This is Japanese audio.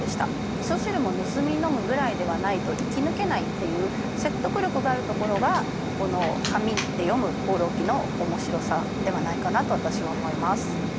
みそ汁も盗み飲むぐらいではないと生き抜けないっていう説得力があるところがこの紙で読む「放浪記」の面白さではないかなと私は思います。